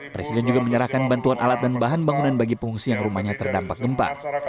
presiden juga menyerahkan bantuan alat dan bahan bangunan bagi pengungsi yang rumahnya terdampak gempa